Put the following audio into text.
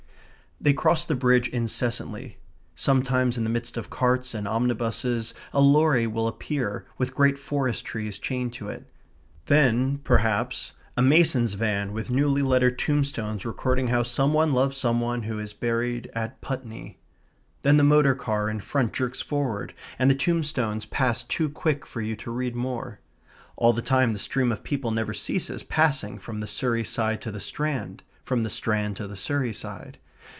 They cross the Bridge incessantly. Sometimes in the midst of carts and omnibuses a lorry will appear with great forest trees chained to it. Then, perhaps, a mason's van with newly lettered tombstones recording how some one loved some one who is buried at Putney. Then the motor car in front jerks forward, and the tombstones pass too quick for you to read more. All the time the stream of people never ceases passing from the Surrey side to the Strand; from the Strand to the Surrey side.